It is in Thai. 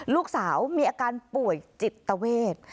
ลูกสาวมีอาการป่วยจิตเวท